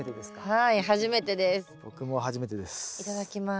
いただきます。